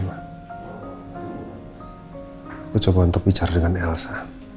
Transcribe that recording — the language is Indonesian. aku coba untuk bicara dengan elsa